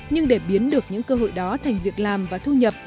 nhưng để biến được những cơ hội đó thành việc làm và thu nhập